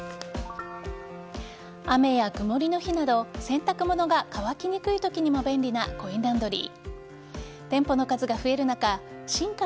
雨や曇りの日など洗濯物の乾きにくいときに非常に便利なコインランドリー。